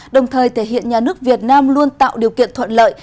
đồng thời thể hiện nhà nước việt nam luôn tạo điều kiện thuận lợi